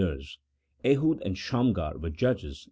18 Ehud and Shamgar were judges